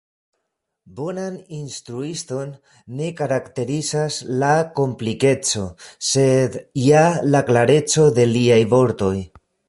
Bonan instruiston ne karakterizas la komplikeco, sed ja la klareco de liaj vortoj!